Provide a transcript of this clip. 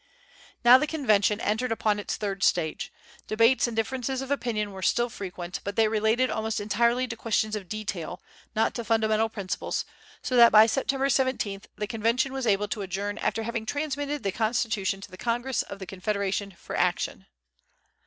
Now the Convention entered upon its third stage. Debates and differences of opinion were still frequent, but they related almost entirely to questions of detail, not to fundamental principles, so that by September 17th the Convention was able to adjourn after having transmitted the Constitution to the Congress of the Confederation for action.